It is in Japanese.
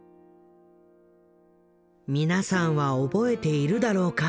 皆さんは覚えているだろうか？